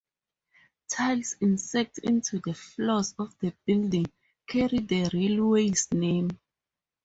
Tiles inset into the floors of the building carry the railway's name.